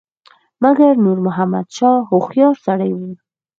مګر نور محمد شاه هوښیار سړی وو.